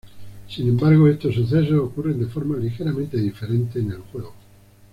Sin embargo, estos sucesos ocurren de forma ligeramente diferente en el juego.